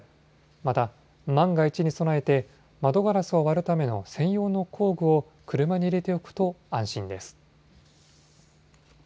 また、万が一に備えて窓ガラスを割るための専用の工具を車に入れておくと安心です。